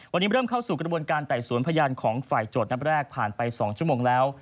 วันนี้เริ่มเข้าสู่กระบวนการไต่สวนพยานของฝ่ายโจทย์นับแรกผ่านไป๒ชั่วโมงแล้ว